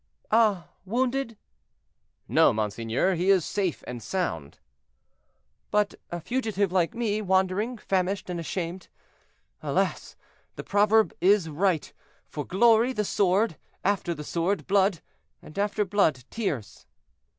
"Ah! wounded?" "No, monseigneur, he is safe and sound." "But a fugitive like me, wandering, famished, and ashamed. Alas! the proverb is right—'For glory, the sword; after the sword, blood; after blood, tears.'"